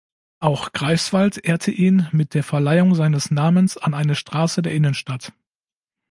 Auch Greifswald ehrte ihn mit der Verleihung seines Namens an eine Straße der Innenstadt.